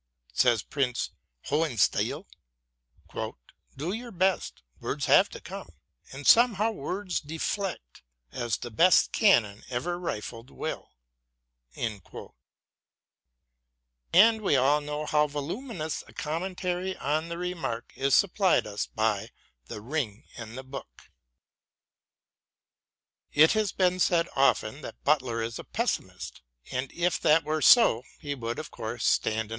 Says Prince Hohenstiel, Do your best, Words have to come : and somehow words deflect As the best cannon ever rifled will, and we all know how voluminous a commentary on the remark is supplied us by " The Ring and the Book." It has been often said that Butler is a pessimist ; 214 BROWNING AND BUTLER and if that were so, he would, of course, stand in